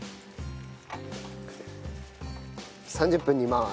３０分煮ます。